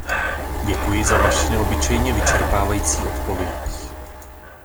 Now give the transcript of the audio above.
Děkuji za Vaši neobyčejně vyčerpávající odpověď.